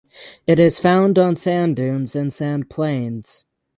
It is found on sand dunes and sandplains.